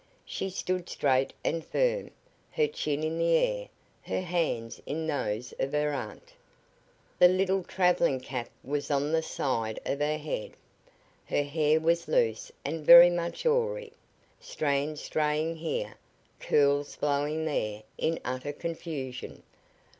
She stood straight and firm, her chin in the air, her hands in those of her aunt. The little traveling cap was on the side of her head, her hair was loose and very much awry, strands straying here, curls blowing there in utter confusion.